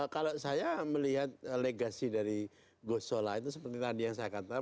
kalau saya melihat legasi dari gus sola itu seperti tadi yang saya katakan